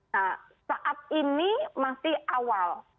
nah saat ini masih awal